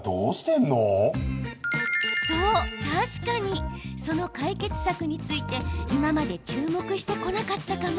そう、確かにその解決策について今まで注目してこなかったかも。